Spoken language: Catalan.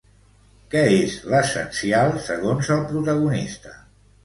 Què és l'essencial segons el protagonista?